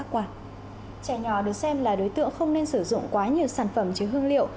trẻ nhỏ được xem là đối tượng không nên sử dụng quá nhiều sản phẩm chứa hương liệu